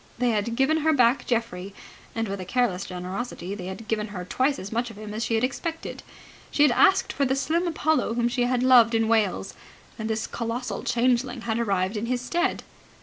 They had given her back Geoffrey, and with a careless generosity they had given her twice as much of him as she had expected. She had asked for the slim Apollo whom she had loved in Wales, and this colossal changeling had arrived in his stead.